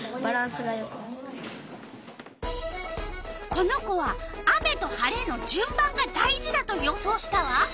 この子は雨と晴れのじゅん番が大事だと予想したわ。